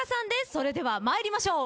それでは参りましょう。